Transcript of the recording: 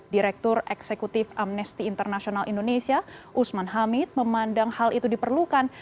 direktur eksekutif amnesty international indonesia usman hamid memandang hal itu diperlukan